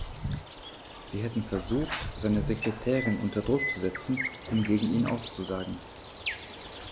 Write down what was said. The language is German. Sie hätten versucht, seine Sekretärin unter Druck zu setzen, um gegen ihn auszusagen.